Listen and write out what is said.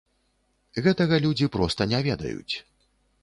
Гэтага людзі проста не ведаюць.